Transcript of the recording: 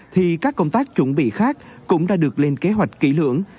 thì các công tác chuẩn bị khác cũng đã được lên kế hoạch kỹ lưỡng